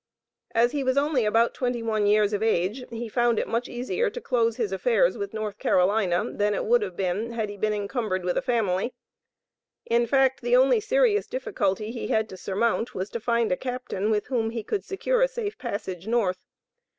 As he was only about twenty one years of age, he found it much easier to close his affairs with North Carolina, than it would have been had he been encumbered with a family. In fact, the only serious difficulty he had to surmount was to find a captain with whom he could secure a safe passage North.